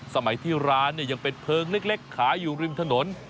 สมัยที่ร้านเนี่ยยังเป็นเพลิงเล็กขายอยู่ริมถนน